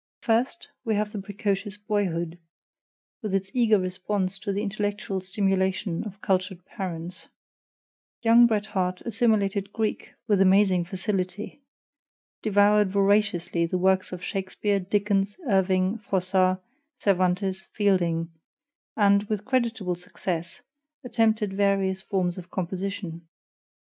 First, we have the precocious boyhood, with its eager response to the intellectual stimulation of cultured parents; young Bret Harte assimilated Greek with amazing facility; devoured voraciously the works of Shakespeare, Dickens, Irving, Froissart, Cervantes, Fielding; and, with creditable success, attempted various forms of composition.